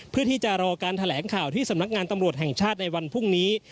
เพื่อที่จะรอการแถลงข่าวที่สำนักงานตำรวจแห่งชาติในวันพรุ่งนี้